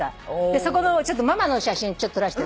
そこのママの写真撮らせて。